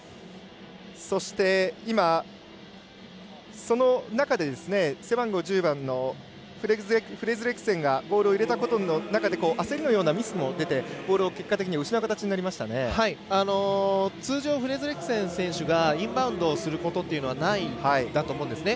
そして、その中で背番号１０番のフレズレクセンがボールを入れた中で焦りのようなミスも出てボールを結果的に通常フレズレクセン選手がインバウンドをすることはないんだと思うんですね。